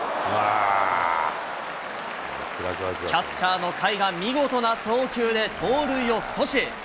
キャッチャーの甲斐が見事な送球で盗塁を阻止。